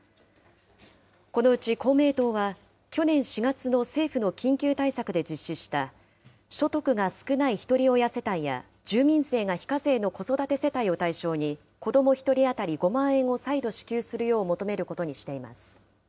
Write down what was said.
このうち公明党は、去年４月の政府の緊急対策で実施した、所得が少ないひとり親世帯や住民税が非課税の子育て世帯を対象に、子ども１人当たり５万円を再度支給するよう求めることにしています。